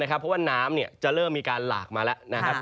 เพราะว่าน้ำจะเริ่มมีการหลากมาแล้วนะครับ